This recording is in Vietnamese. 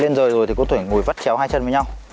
lên rời rồi thì có thể ngồi vắt chéo hai chân với nhau